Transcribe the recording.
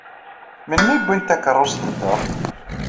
Melmi i wwint takeṛṛust-nteɣ?